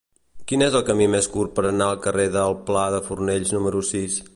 Quin és el camí més curt per anar al carrer del Pla de Fornells número sis?